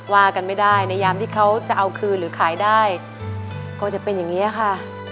ว่ากันไม่ได้ในยามที่เขาจะเอาคืนหรือขายได้ก็จะเป็นอย่างนี้ค่ะ